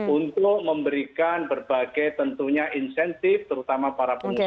untuk memberikan berbagai tentunya insentif terutama para pengusaha